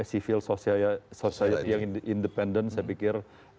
sivil sosial yang independen saya pikir